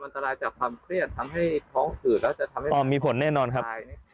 ต่อมีผลแล้วนะครับ